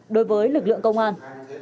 đối với lực lượng công an